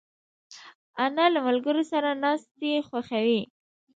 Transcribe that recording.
انا له ملګرو سره ناستې خوښوي